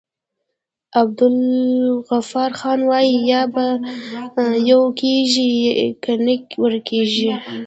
عبدالغفارخان وايي: یا به يو کيږي که نه ورکيږی.